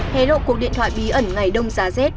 hè lộ cuộc điện thoại bí ẩn ngày đông giá z